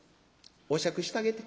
お酌してあげて。